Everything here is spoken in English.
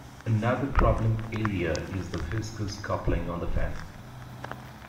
Another problem area is the viscous coupling on the fan.